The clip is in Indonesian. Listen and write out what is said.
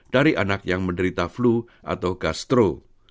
dari anak yang menderita flu atau gastro